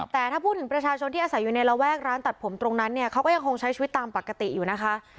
แต่ถ้าพูดถึงประชาชนที่อาศัยอยู่ในระแวกร้านตัดผมตรงนั้นเนี่ยเขาก็ยังคงใช้ชีวิตตามปกติอยู่นะคะ